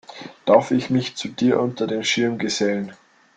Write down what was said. Darf ich mich zu dir unter den Schirm gesellen?